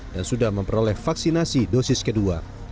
dan sudah memperoleh vaksinasi dosis kedua